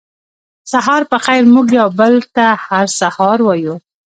سهار پخېر موږ یو بل ته هر سهار وایو